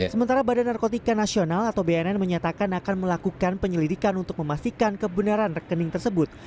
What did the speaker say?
sementara badan narkotika nasional atau bnn menyatakan akan melakukan penyelidikan untuk memastikan kebenaran rekening tersebut